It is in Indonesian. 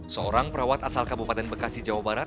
seorang perawat asal kabupaten bekasi jawa barat